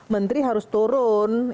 menteri harus turun